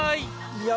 いや